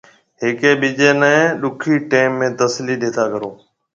هيَڪيَ ٻِيجي نَي ڏُکي ٽيم ۾ تسلِي ڏيتا ڪرو۔